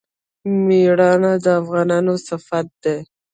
میړانه د افغانانو صفت دی.